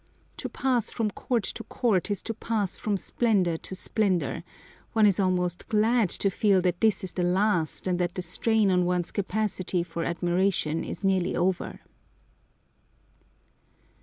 To pass from court to court is to pass from splendour to splendour; one is almost glad to feel that this is the last, and that the strain on one's capacity for admiration is nearly over.